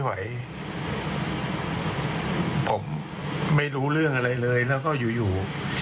ไหวผมไม่รู้เรื่องอะไรเลยแล้วก็อยู่อยู่